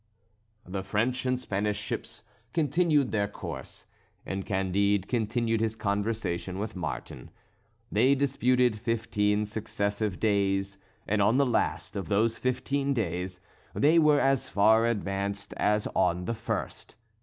The French and Spanish ships continued their course, and Candide continued his conversation with Martin. They disputed fifteen successive days, and on the last of those fifteen days, they were as far advanced as on the first.